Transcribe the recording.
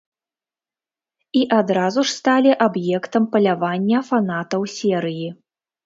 І адразу ж сталі аб'ектам палявання фанатаў серыі.